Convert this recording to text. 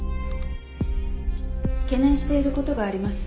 懸念していることがあります。